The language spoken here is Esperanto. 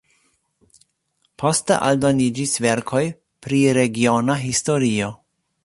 Poste aldoniĝis verkoj pri regiona historio.